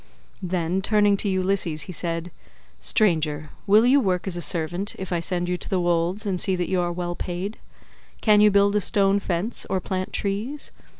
Then turning to Ulysses he said, "Stranger, will you work as a servant, if I send you to the wolds and see that you are well paid? Can you build a stone fence, or plant trees?